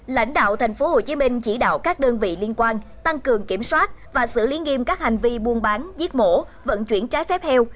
lãnh đạo tp hcm chỉ đạo các đơn vị liên quan tăng cường kiểm soát và xử lý nghiêm các hành vi buôn bán giết mổ vận chuyển trái phép heo